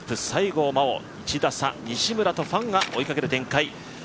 西郷真央、１打差、西村とファンが追いかける展開。